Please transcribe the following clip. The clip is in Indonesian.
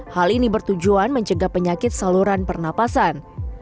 hal ini bertujuan mencegah penyakit saluran pernapasan